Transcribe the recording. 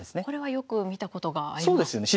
これはよく見たことがあります。